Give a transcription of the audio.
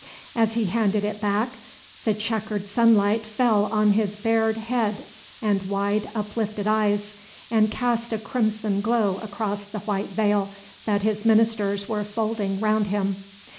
As he handed it back, the chequered sunlight fell on his bared head and wide, uplifted eyes, and cast a crimson glow across the white veil that his ministers were folding round him.